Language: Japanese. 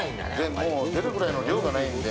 もう出るぐらいの量がないんで。